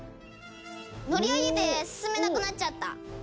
「乗り上げて進めなくなっちゃった」